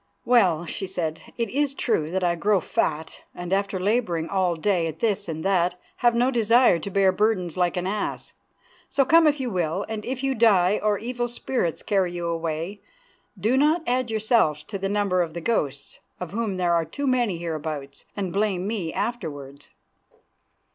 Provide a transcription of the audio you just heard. "Well," she said, "it is true that I grow fat, and after labouring all day at this and that have no desire to bear burdens like an ass. So come if you will, and if you die or evil spirits carry you away, do not add yourselves to the number of the ghosts, of whom there are too many hereabouts, and blame me afterwards."